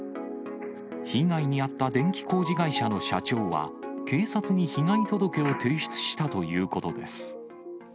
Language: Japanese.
被害に遭った電気工事会社の社長は、警察に被害届を提出したということです。